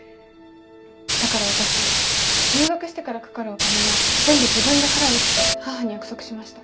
だから私入学してからかかるお金は全部自分で払うって母に約束しました。